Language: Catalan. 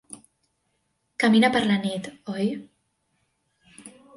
Camina per la nit, oi?